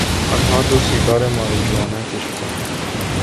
آنها دو سیگار ماریجوانا کشیدند.